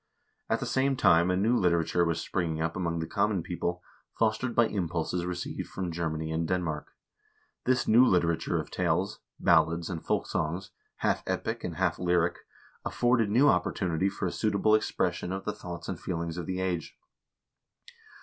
At the same time a new literature was springing up among the common people, fostered by impulses re ceived from Germany and Denmark. This new literature of tales, ballads, and folk songs — half epic and half lyric — afforded new opportunity for a suitable expression of the thoughts and feelings of the age.